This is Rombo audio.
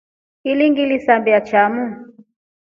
Ini ngilisambia chamu.